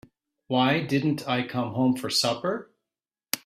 Why didn't I come home for supper?